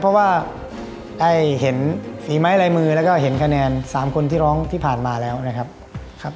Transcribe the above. เพราะว่าได้เห็นฝีไม้ลายมือแล้วก็เห็นคะแนน๓คนที่ร้องที่ผ่านมาแล้วนะครับ